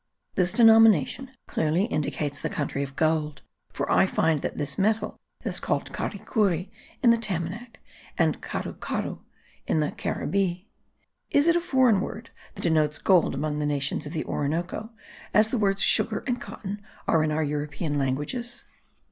This denomination clearly indicates the country of gold; for I find that this metal is called caricuri in the Tamanac, and carucuru in the Caribbee. Is it a foreign word that denotes gold among the nations of the Orinoco, as the words sugar and cotton are in our European languages?